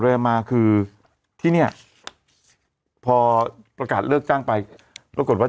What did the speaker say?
ทำงานครบ๒๐ปีได้เงินชดเฉยเลิกจ้างไม่น้อยกว่า๔๐๐วัน